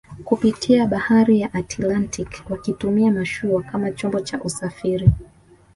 kupitia bahari ya Atlantiki wakitumia mashua kama chombo cha usafiri